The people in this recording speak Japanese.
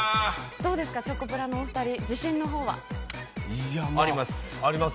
どうですか、チョコプラのお２人、自信のほうは？あります。